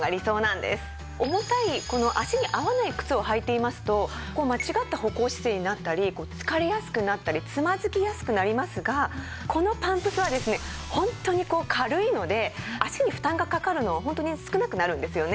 重たい足に合わない靴を履いていますと間違った歩行姿勢になったり疲れやすくなったりつまずきやすくなりますがこのパンプスはですねホントに軽いので足に負担がかかるのホントに少なくなるんですよね。